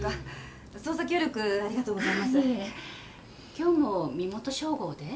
今日も身元照合で？